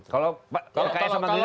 kalau ks sama gri